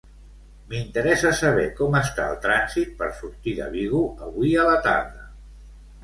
M'interessa saber com està el trànsit per sortir de Vigo avui a la tarda.